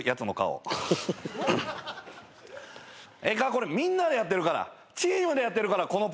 これみんなでやってるからチームでやってるからこのプロジェクト。